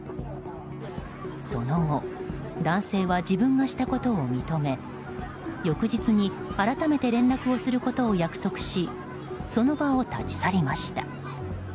その後男性は自分がしたことを認め翌日に改めて連絡することを約束しその場を立ち去りました。